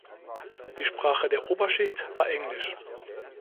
Die Sprache der Oberschicht war Englisch.